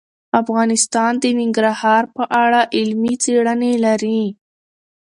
افغانستان د ننګرهار په اړه علمي څېړنې لري.